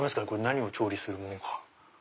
何を調理するものか。